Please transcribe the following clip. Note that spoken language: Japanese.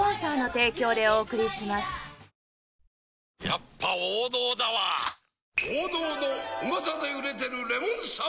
やっぱ王道だわプシュ！